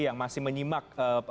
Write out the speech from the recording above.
yang masih menyimak